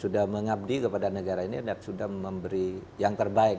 sudah mengabdi kepada negara ini dan sudah memberi yang terbaik